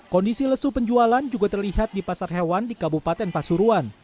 kondisi lesu penjualan juga terlihat di pasar hewan di kabupaten pasuruan